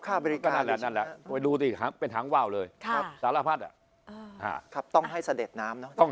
ค่าบริการดูดิครับเป็นหางวาวเลยครับต้องให้สะเด็ดน้ำต้อง